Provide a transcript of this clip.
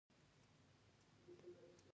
هغه د شاه حسین هوتک د دربار علمي شخصیت و.